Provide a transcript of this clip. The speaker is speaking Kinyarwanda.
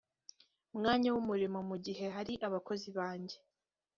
mwanya w umurimo mu gihe hari abakozi ba njye